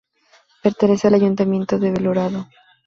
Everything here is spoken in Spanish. Pertenece al ayuntamiento de Belorado.